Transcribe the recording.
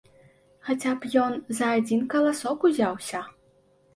Хаця б ён за адзін каласок узяўся.